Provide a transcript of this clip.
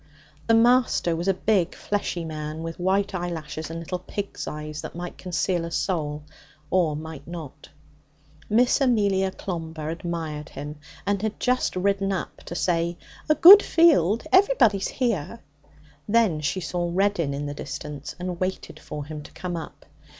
The Master was a big fleshy man with white eyelashes and little pig's eyes that might conceal a soul or might not. Miss Amelia Clomber admired him, and had just ridden up to say, 'A good field. Everybody's here.' Then she saw Reddin in the distance, and waited for him to come up.